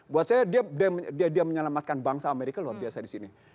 buat saya dia menyelamatkan bangsa amerika luar biasa disini